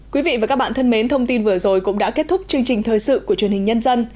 quý vị và các bạn thân mến thông tin vừa rồi cũng đã kết thúc chương trình thời sự của truyền hình nhân dân